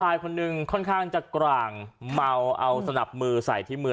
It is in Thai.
คนนึงค่อนข้างจะกร่างเมาเอาสนับมือใส่ที่มือ